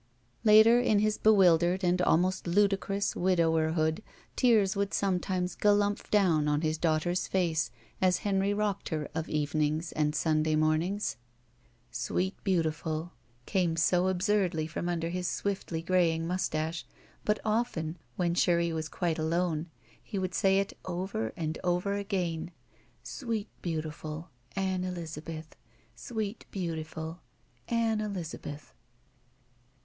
Later ia his bewildered and almost ludicnnis widowerhood tears would sometimes galumph down on his daughter's face as Henry rocked her of eve nings and Sunday mornings. "Sweet beautiful," came so absurdly from under his swiftly graying mustache, but often, when sure he was quite alone, he would say it over and over again. 204 GUILTY "Sweet beautiful. Ann Elizabeth. Sweet beau tiful. Ann Elizabeth."